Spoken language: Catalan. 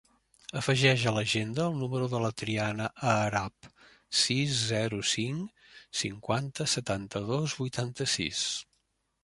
Afegeix a l'agenda el número de la Triana Aarab: sis, zero, cinc, cinquanta, setanta-dos, vuitanta-sis.